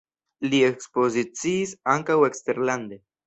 Li ekspoziciis ankaŭ eksterlande.